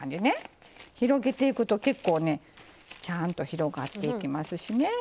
広げていくと、結構ちゃんと広がっていきますしね。